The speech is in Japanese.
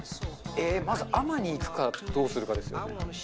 まず甘にいくかどうするかですよね。